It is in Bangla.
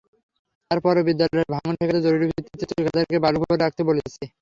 তার পরও বিদ্যালয়ের ভাঙন ঠেকাতে জরুরিভিত্তিতে ঠিকাদারকে বালু ভরে রাখতে বলেছি।